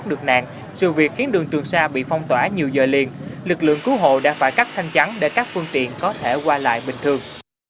dù việc khiến đường trường xa bị phong tỏa nhiều giờ liền lực lượng cứu hộ đã phải cắt thanh chắn để các phương tiện có thể qua lại bình thường